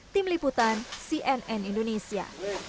tim liputan cnn indonesia